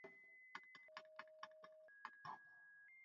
kwa namna tofauti Utawala wa Kiislamu ulifikia nchi hizo